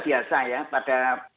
biasa ya pada